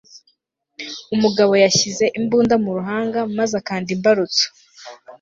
umugabo yashyize imbunda mu ruhanga maze akanda imbarutso